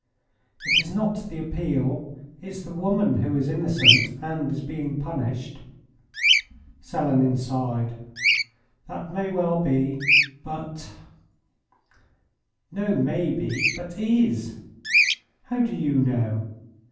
"It is not the appeal; it's the woman who is innocent, and is being punished." Selenin sighed. "That may well be, but " "Not may be, but is." "How do you know?"